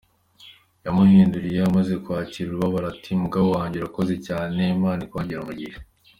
Yamuhindukiriye amaze kwakira ururabo ati: Mugabo wanjye urakoze cyane Imana ikwongere umugisha .